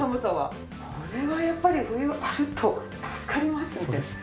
これはやっぱり冬あると助かりますね。